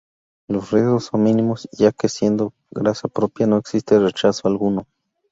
Los riesgos son mínimos ya que siendo grasa propia, no existe rechazo alguno.